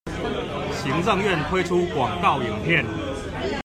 行政院推出廣告影片